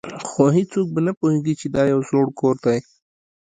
هیڅوک به نه پوهیږي چې دا یو زوړ کور دی